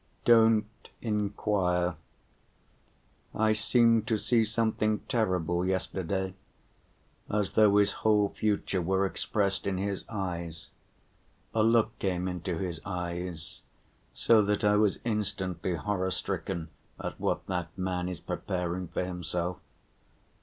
"Don't inquire. I seemed to see something terrible yesterday ... as though his whole future were expressed in his eyes. A look came into his eyes—so that I was instantly horror‐stricken at what that man is preparing for himself.